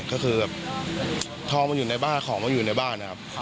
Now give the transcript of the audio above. ก็คือแบบทองมันอยู่ในบ้านของมันอยู่ในบ้านนะครับ